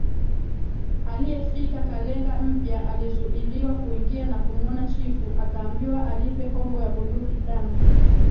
aliyefika Kalenga mpya alizuiliwa kuingia na kumwona chifu akaambiwa alipe hongo ya bunduki tano